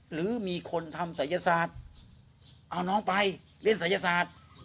หรือมีคนทำศัยศาสตร์เอาน้องไปเล่นศัยศาสตร์